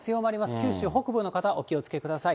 九州北部の方お気をつけください。